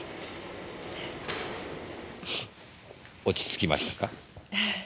落ち着きましたか？